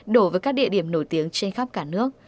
đổ vào các địa điểm nổi tiếng trên khắp cả nước